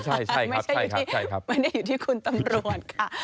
ใช่ใช่ครับไม่อยู่ที่คุณตำรวจค่ะ